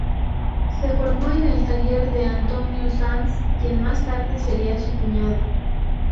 Se formó en el taller de Antonio Sanz, quien más tarde sería su cuñado.